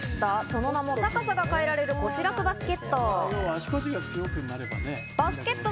その名も高さが変えられる腰らくバスケット。